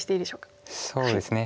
そうですね